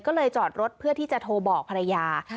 ก็เลยจอดรถเพื่อที่จะโทรบอกภรรยา